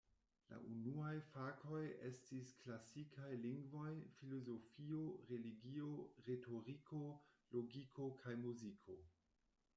La unuaj fakoj estis klasikaj lingvoj, filozofio, religio, retoriko, logiko kaj muziko.